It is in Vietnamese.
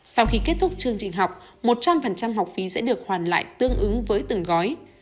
sau khi kết thúc chương trình học một trăm linh học phí sẽ được hoàn lại tương ứng với từng gói